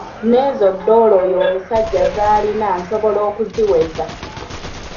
N'ezo doola oyo omusajja zaalina nsobola okuziweza!